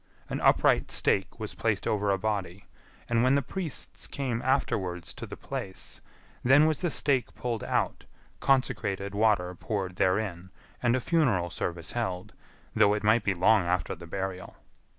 An upright stake was placed over a body, and when the priests came afterwards to the place, then was the stake pulled out, consecrated water poured therein, and a funeral service held, though it might be long after the burial.